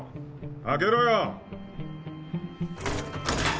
開けろよ！